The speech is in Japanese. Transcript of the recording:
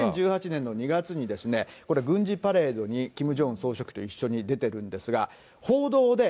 ２０１８年の２月にですね、これ、軍事パレードにキム・ジョンウン総書記と一緒に出てるんですが、報道で、